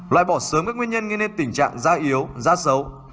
loại bỏ sớm các nguyên nhân gây nên tình trạng da yếu da xấu